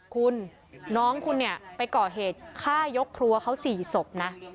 คุณน้องคุณเนี่ยไปก่อเหตุฆ่ายกครัวเขา๔ศพนะ